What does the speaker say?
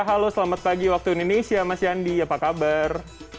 halo selamat pagi waktu indonesia mas yandi apa kabar